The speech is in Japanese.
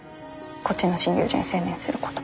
こっちの診療所に専念すること。